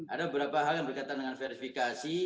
ada beberapa hal yang berkaitan dengan verifikasi